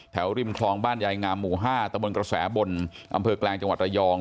ริมคลองบ้านยายงามหมู่๕ตะบนกระแสบนอำเภอแกลงจังหวัดระยอง